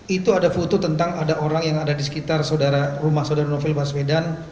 itu ada foto tentang ada orang yang ada di sekitar rumah saudara novel baswedan